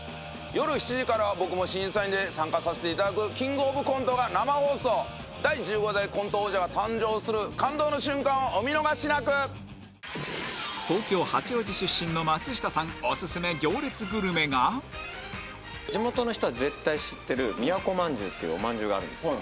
夜７時からは僕も審査員で参加させていただくキングオブコントが生放送第１５代コント王者が誕生する感動の瞬間をお見逃しなく東京八王子出身の地元の人は絶対知ってる都まんじゅうっていうおまんじゅうがあるんですよ